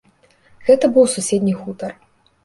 Гэта быў суседні хутар.